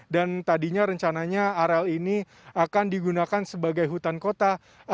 dan tadinya rencananya areal ini akan digunakan sebagai hutan kota